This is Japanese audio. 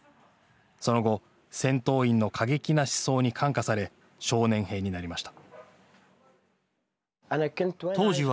その後、戦闘員の過激な思想に感化され、少年兵になりました。